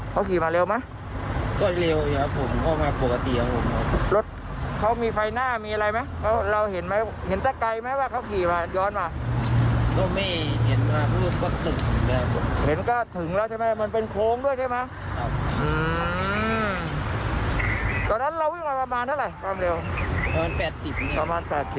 ประมาณ๘๐นะครับ